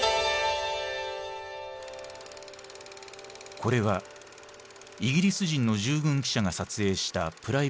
これはイギリス人の従軍記者が撮影したプライベートフィルム。